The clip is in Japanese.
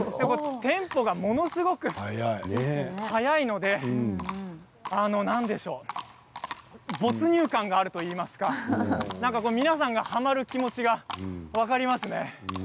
テンポがものすごく速いので没入感があるといいますか皆さんが、はまる気持ちが分かりますね。